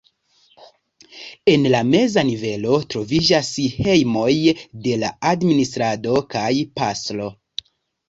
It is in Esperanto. En la meza nivelo troviĝas hejmoj de la administrado kaj pastro.